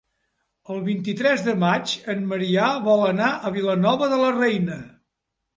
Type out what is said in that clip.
El vint-i-tres de maig en Maria vol anar a Vilanova de la Reina.